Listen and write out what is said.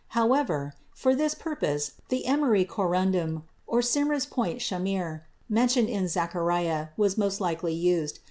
However, for this purpose the emery corundum, or smiris point shamir, mentioned in Zechariah, was most likely used.